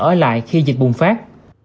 ở lại khi dịch bùng phát